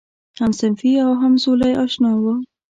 همصنفي او همزولی آشنا و.